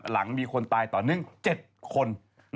หลังมีคนตายต่อเนื่อง๗คน